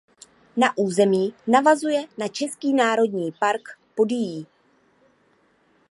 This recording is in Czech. Jeho území navazuje na český národní park Podyjí.